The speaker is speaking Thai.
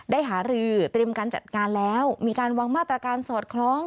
หารือเตรียมการจัดงานแล้วมีการวางมาตรการสอดคล้อง